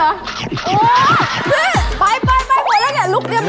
พี่ไปไปแล้วไงรุกเตรียมรุกเลย